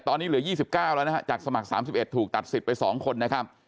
ตอนนี้เหลือ๒๙แล้วนะฮะจากสมัคร๓๑ถูกตัดสิทธิ์ไป๒คนนะครับ